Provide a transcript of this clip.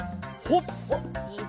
ほっ！